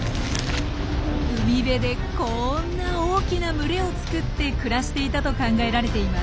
海辺でこんな大きな群れを作って暮らしていたと考えられています。